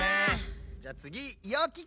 じゃあつぎよき子！